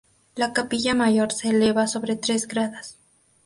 La Capilla Mayor se eleva sobre tres gradas.